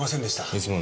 いつもの。